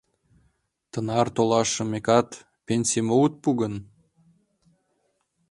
Тынар толашымекат, пенсийым огыт пу гын?..